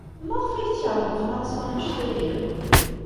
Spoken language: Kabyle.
Maɣef ay tkeṛhem Fṛansa anect-a akk?